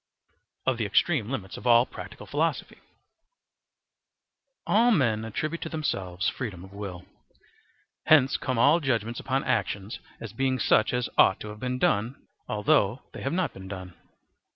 Of the Extreme Limits of all Practical Philosophy. All men attribute to themselves freedom of will. Hence come all judgements upon actions as being such as ought to have been done, although they have not been done.